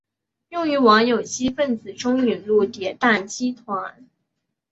用于往有机分子中引入叠氮基团。